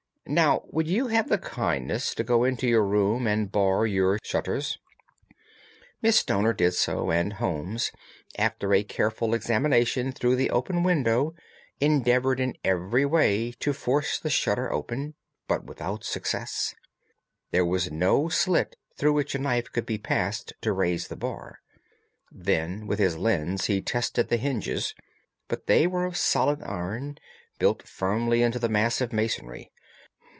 Now, would you have the kindness to go into your room and bar your shutters?" Miss Stoner did so, and Holmes, after a careful examination through the open window, endeavoured in every way to force the shutter open, but without success. There was no slit through which a knife could be passed to raise the bar. Then with his lens he tested the hinges, but they were of solid iron, built firmly into the massive masonry.